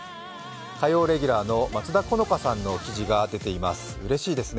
火曜レギュラーの松田好花さんの記事が出ています。